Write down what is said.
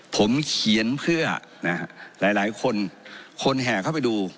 ผมเขียนเพื่อนะฮะหลายหลายคนคนแห่เข้าไปดู